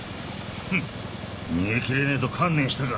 フッ逃げ切れねえと観念したか。